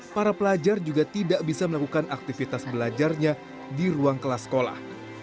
para pelajar juga tidak bisa melakukan aktivitas belajarnya di ruang kelas sekolah